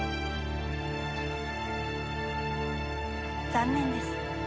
残念です。